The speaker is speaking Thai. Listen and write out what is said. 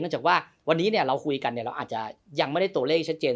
จากว่าวันนี้เราคุยกันเราอาจจะยังไม่ได้ตัวเลขชัดเจน